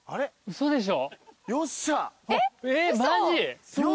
嘘でしょ！？